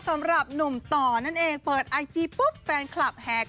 สำหรับหนุ่มต่อนั่นเองเปิดไอจีปุ๊บแฟนคลับแหก